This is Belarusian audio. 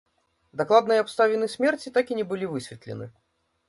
Дакладныя абставіны смерці так і не былі высветлены.